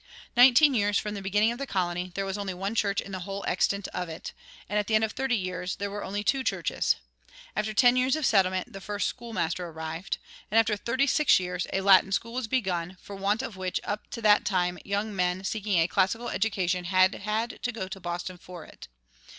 Nineteen years from the beginning of the colony there was only one church in the whole extent of it; at the end of thirty years there were only two churches. After ten years of settlement the first schoolmaster arrived; and after thirty six years a Latin school was begun, for want of which up to that time young men seeking a classical education had had to go to Boston for it.